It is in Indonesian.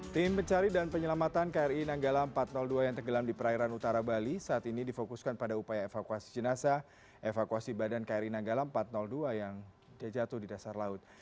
tim pencari dan penyelamatan kri nanggala empat ratus dua yang tenggelam di perairan utara bali saat ini difokuskan pada upaya evakuasi jenazah evakuasi badan kri nanggala empat ratus dua yang jatuh di dasar laut